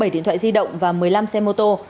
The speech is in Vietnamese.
bảy điện thoại di động và một mươi năm xe mô tô